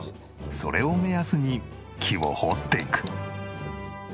それを目安に木を彫っていく。